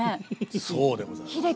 そうでございます。